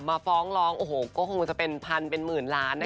ฟ้องร้องโอ้โหก็คงจะเป็นพันเป็นหมื่นล้านนะคะ